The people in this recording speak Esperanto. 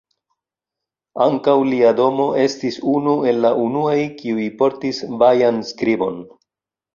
Ankaŭ, lia domo estis unu el la unuaj kiuj portis vajan skribon.